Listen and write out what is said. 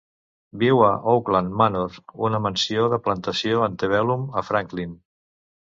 Viu a Oaklawn Manor, una mansió de plantació antebellum a Franklin.